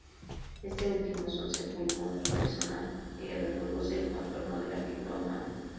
Este último es un sepulcro unipersonal que reproduce el contorno de la figura Humana.